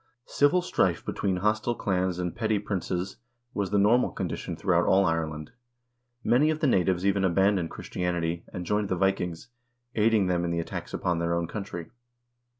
Civil strife between hostile clans and petty princes was the normal condition throughout all Ireland. Many of the natives even abandoned Chris tianity, and joined the Vikings, aiding them in the attacks upon their own country.